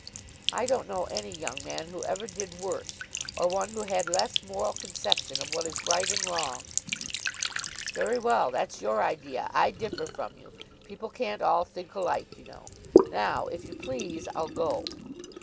"I don't know any young man who ever did worse, or one who had less moral conception of what is right and wrong." "Very well. That's your idea. I differ from you. People can't all think alike, you know. Now, if you please, I'll go."